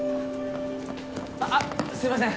あっすいません！